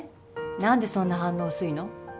何でそんな反応薄いの？